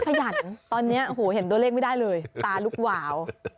ไม่ขยันตอนนี้เห็นตัวเลขไม่ได้เลยตาลุกวาว